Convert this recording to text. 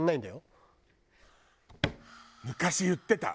昔言ってた！